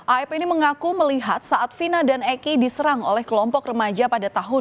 aib ini mengaku melihat saat vina dan eki diserang oleh kelompok remaja pada tahun dua ribu